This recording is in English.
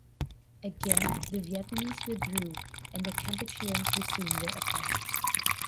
Again the Vietnamese withdrew and the Kampucheans resumed their attacks.